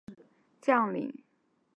后成为民族军将领。